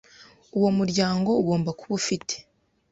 Uwo muryango ugomba kuba ufite